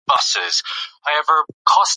حل څنګه ټاکل شو؟